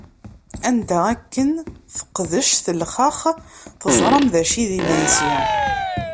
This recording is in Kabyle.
Anda akken teqdec telxex, teẓṛam dacu i d-imensi!